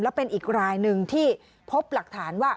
และเป็นอีกรายหนึ่งที่พบหลักฐานว่า